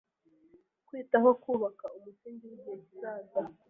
kwitaho Kubaka umusingi wigihe kizaza